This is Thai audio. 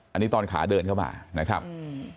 อันนี้ตอนขาเดินเข้ามานะครับอืม